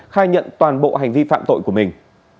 khai nhận toàn bộ hành vi phạm tội của mình